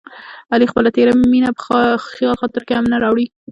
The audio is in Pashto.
علي خپله تېره مینه په خیال خاطر کې هم نه راوړي.